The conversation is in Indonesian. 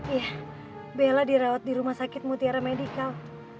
iya bella dirawat di rumah sakit mutiara medical